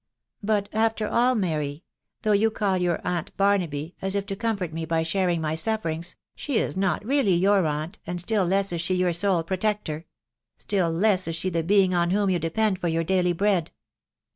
... But .... after all, 'Mary, though you call her ,yow auntBarnaby, as if to comfort me by rflharing my sufferings, ahe is not really your aunt, and still less is she your aele protector. ..... still less is she the being xm •whom you depend for your daily bread.